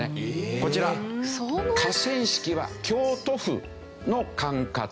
こちら河川敷は京都府の管轄